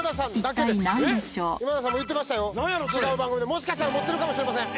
もしかしたら持ってるかもしれません。